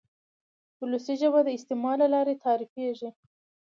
وولسي ژبه د استعمال له لارې تعریفېږي.